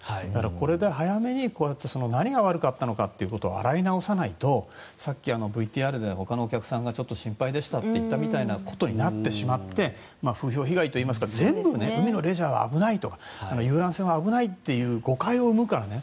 これで早めにこうやって何が悪かったのかということを洗い直さないとさっき、ＶＴＲでほかのお客さんがちょっと心配でしたということのようになってしまって風評被害というか全部海のレジャーは危ないとか遊覧船は危ないという誤解を生むからね。